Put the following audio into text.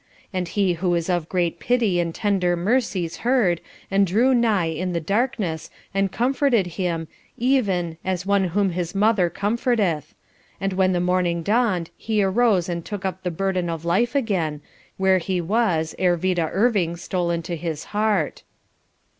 And He who is of great pity and tender mercies heard, and drew nigh in the darkness and comforted him, even "as one whom his mother comforteth," and when the morning dawned he arose and took up the burden of life again, where he was, ere Vida Irving stole into his heart.